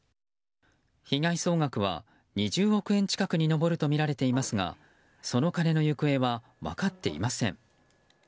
被害総額は２０億円近くに上るとみられていますがその金の行方は分かっていません。